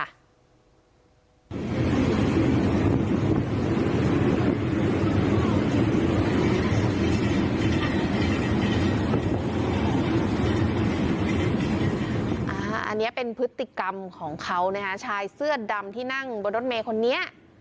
อันนี้เป็นพฤติกรรมของเขานะคะชายเสื้อดำที่นั่งบนรถเมย์คนนี้